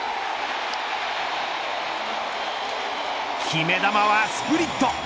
決め球はスプリット。